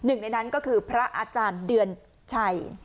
หนึ่งในนั้นก็คือพระอาจารย์เดือนชัย